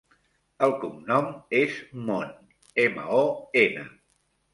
El cognom és Mon: ema, o, ena.